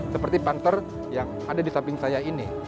seperti panther yang ada di samping saya ini